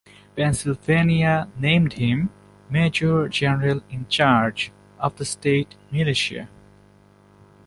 Pennsylvania named him major general in charge of the state militia.